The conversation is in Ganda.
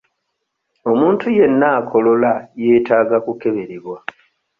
Omuntu yenna akolola yeetaaga kukeberebwa.